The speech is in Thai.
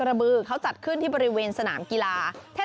ตามไปดูกันว่าเขามีการแข่งขันอะไรที่เป็นไฮไลท์ที่น่าสนใจกันค่ะ